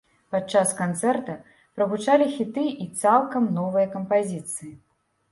Падчас канцэрта прагучалі хіты і цалкам новыя кампазіцыі.